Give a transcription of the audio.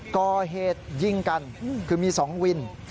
ก่อเหตุยิงกันคือมี๒วิน